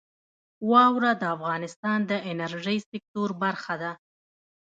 واوره د افغانستان د انرژۍ سکتور برخه ده.